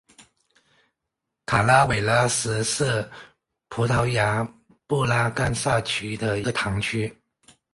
卡拉韦拉什是葡萄牙布拉干萨区的一个堂区。